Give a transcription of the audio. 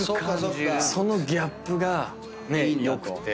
そのギャップが良くて。